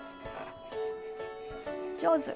上手！